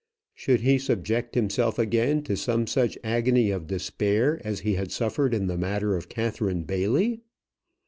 Should he subject himself again to some such agony of despair as he had suffered in the matter of Catherine Bailey?